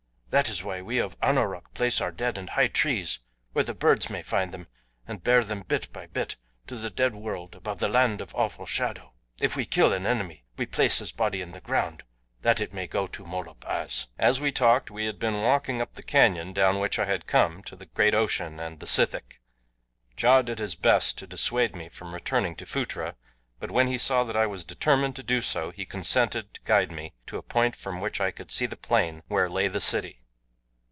That is why we of Anoroc place our dead in high trees where the birds may find them and bear them bit by bit to the Dead World above the Land of Awful Shadow. If we kill an enemy we place his body in the ground that it may go to Molop Az." As we talked we had been walking up the canyon down which I had come to the great ocean and the sithic. Ja did his best to dissuade me from returning to Phutra, but when he saw that I was determined to do so, he consented to guide me to a point from which I could see the plain where lay the city.